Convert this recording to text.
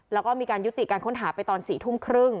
แล้วก็มีการยุติการค้นหาไปตอน๔ทุ่มครึ่ง